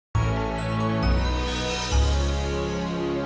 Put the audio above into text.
tentang ut private